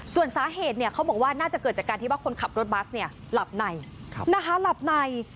ส่วนสาเหตุเขาบอกว่าน่าจะเกิดจากการที่ว่าคนขับรถบัสเนี่ยหลับในนะคะหลับใน